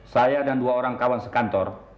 saya dan dua orang kawan sekantor